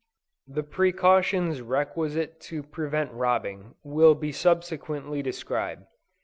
The precautions requisite to prevent robbing, will be subsequently described.